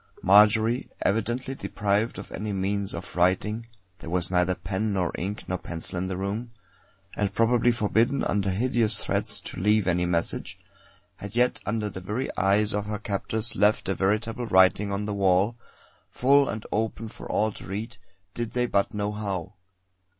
Marjory, evidently deprived of any means of writing there was neither pen nor ink nor pencil in the room and probably forbidden under hideous threats to leave any message, had yet under the very eyes of her captors left a veritable writing on the wall, full and open for all to read, did they but know how.